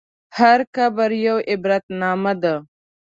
هر قبر یوه عبرتنامه ده.